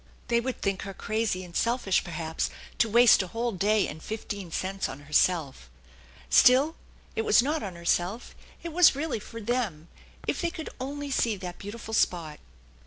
they would think her crazy and selfish, perhaps, to waste a whole day and fifteen cents on herself. Still, it was not on herself; it was really for them. If they could only see that beautiful spot !